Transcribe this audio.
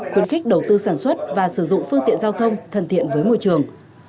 khuyến khích đầu tư sản xuất và sử dụng phương tiện giao thông thân thiện với môi trường